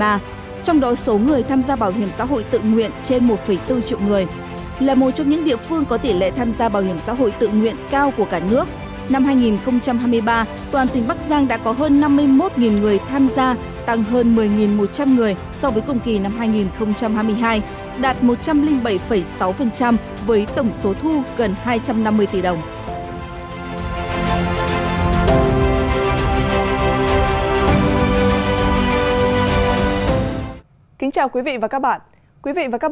trong đó số người tham gia bảo hiểm xã hội tự nguyện trên một bốn triệu người là một trong những địa phương có tỉ lệ tham gia bảo hiểm xã hội tự nguyện cao của cả nước